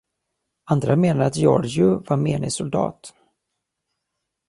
Andra menar att Georgiou var menig soldat.